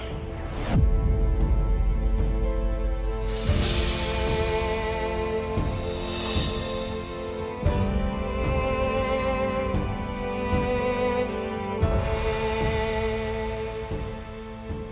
tuhan yang menangis